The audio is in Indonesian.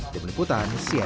di peniputan cnn indonesia